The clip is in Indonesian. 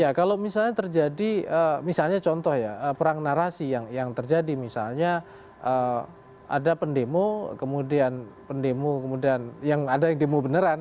ya kalau misalnya terjadi misalnya contoh ya perang narasi yang terjadi misalnya ada pendemo kemudian pendemo kemudian yang ada yang demo beneran